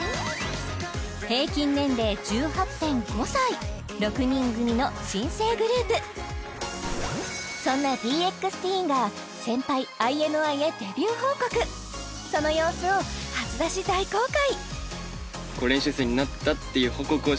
平均年齢１８．５歳６人組の新生グループそんなＤＸＴＥＥＮが先輩ＩＮＩへデビュー報告その様子を初だし大公開！